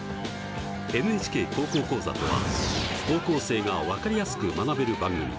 「ＮＨＫ高校講座」とは高校生が分かりやすく学べる番組。